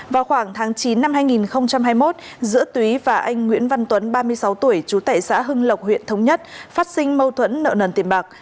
vào khoảng tháng chín năm hai nghìn hai mươi một giữa túy và anh nguyễn văn tuấn ba mươi sáu tuổi trú tại xã hưng lộc huyện thống nhất phát sinh mâu thuẫn nợ nần tiền bạc